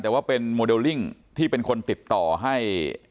แต่ว่าเป็นโมเดลลิ่งที่เป็นคนติดต่อให้